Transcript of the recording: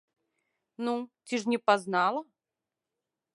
Ну, ці ж не пазнала?